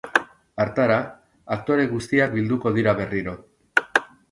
Hartara, aktore guztiak bilduko dira berriro.